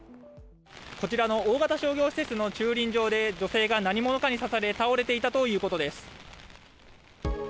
こちらの大型商業施設の駐輪場で女性が何者かに刺され、倒れていたということです。